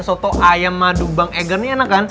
soto ayam madu bang eger nih enak kan